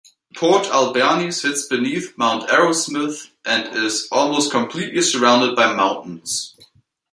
Port Alberni sits beneath Mount Arrowsmith and is almost completely surrounded by mountains.